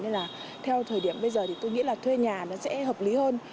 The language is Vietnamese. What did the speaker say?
nên là theo thời điểm bây giờ thì tôi nghĩ là thuê nhà nó sẽ hợp lý hơn